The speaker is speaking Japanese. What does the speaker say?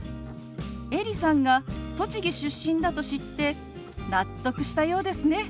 エリさんが栃木出身だと知って納得したようですね。